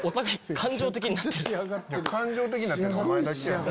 感情的になってるのはお前だけ。